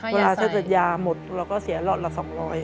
เวลาเชิดยาหมดเราก็เสียรถละ๒๐๐บาท